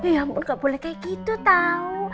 ya ampun nggak boleh kayak gitu tau